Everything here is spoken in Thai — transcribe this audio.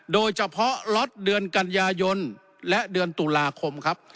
โดยเฉพาะล็อตเดือนกันยายนและเดือนตุลาคมครับ